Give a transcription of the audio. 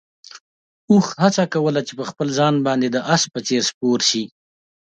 اوښ هڅه کوله چې په خپل ځان باندې د اس په څېر سپور شي.